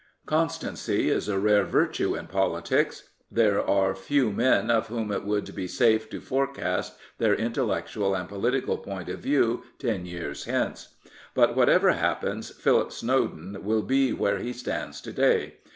Constancy is a rare virtue in politics. There are few men of whom it would be safe to forecast their intellectual and political point of view ten years hence. But, whatever happens, Philip Snowden will be where he stands to day.